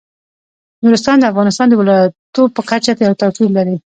نورستان د افغانستان د ولایاتو په کچه یو توپیر لري.